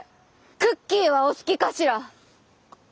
クッキーはお好きかしら？